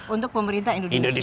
untuk pemerintah indonesia